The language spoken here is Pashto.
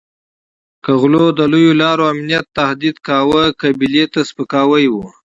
که غلو د لویو لارو امنیت تهدید کاوه قبیلې ته سپکاوی وو.